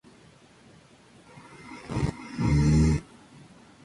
Su destino queda abierto para las próximas temporadas.